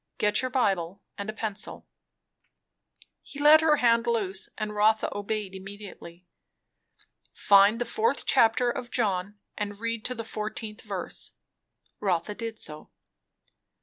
Get your Bible, and a pencil." He let her hand loose, and Rotha obeyed immediately. "Find the fourth chapter of John, and read to the fourteenth verse." Rotha did so.